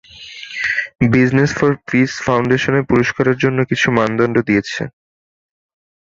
Business for peace foundation এ পুরস্কারের জন্য কিছু মানদণ্ড দিয়েছে।